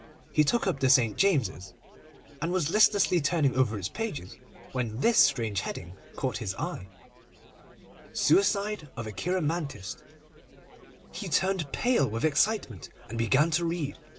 He took up the St. James's, and was listlessly turning over its pages, when this strange heading caught his eye: SUICIDE OF A CHEIROMANTIST. He turned pale with excitement, and began to read.